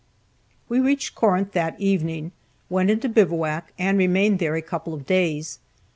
We reached Corinth that evening, went into bivouac, and remained there a couple of days.